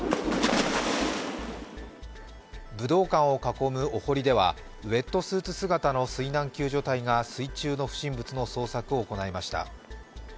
武道館を囲むお堀では、ウエットスーツ姿の水難救助隊が水中の不審物の捜索を行いました。